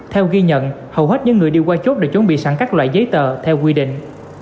theo ghi nhận hầu hết những người đi qua chốt đều chuẩn bị sẵn các loại giấy tờ theo quy định